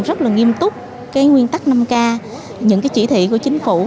rất là nghiêm túc cái nguyên tắc năm k những cái chỉ thị của chính phủ